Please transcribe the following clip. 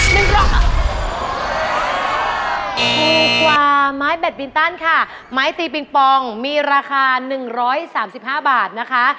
ถูกกว่าไม้แบตบินตันค่ะไม้ตีปิงปองมีราคา๑๓๕บาทนะคะ